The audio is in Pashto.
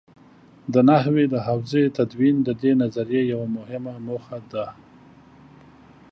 د نحوې د حوزې تدوین د دې نظریې یوه مهمه موخه ده.